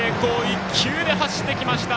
１球で走ってきました！